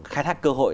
khai thác cơ hội